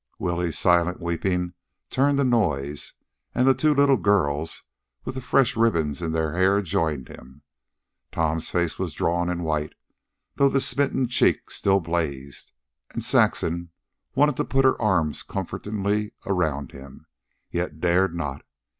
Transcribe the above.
Willie's silent weeping turned to noise, and the two little girls, with the fresh ribbons in their hair, joined him. Tom's face was drawn and white, though the smitten cheek still blazed, and Saxon wanted to put her arms comfortingly around him, yet dared not.